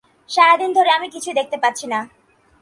সারাদিনে ধরে আমি কিছুই দেখতে পাচ্ছি না।